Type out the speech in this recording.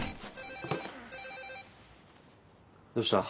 どうした？